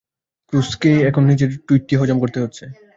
ক্রুসকে এখন নিজের টুইটটি হজম করতে হচ্ছে।